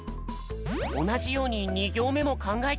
おなじように２ぎょうめもかんがえてみよう！